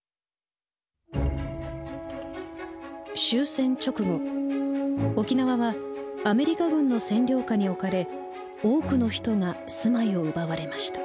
終戦直後沖縄はアメリカ軍の占領下に置かれ多くの人が住まいを奪われました。